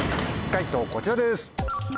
解答こちらです。